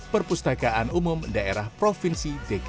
perpustakaan umum daerah provinsi dki jakarta